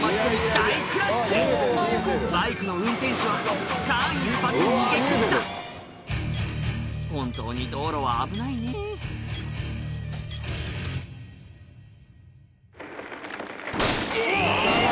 大クラッシュバイクの運転手は間一髪逃げ切った本当に道路は危ないねぇえぇ⁉